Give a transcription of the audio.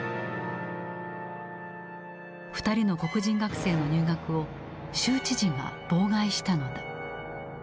２人の黒人学生の入学を州知事が妨害したのだ。